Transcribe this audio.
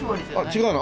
違うの？